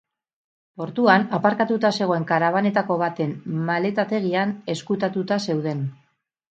Portuan aparkatuta zegoen karabanetako baten maletategian ezkutatuta zeuden.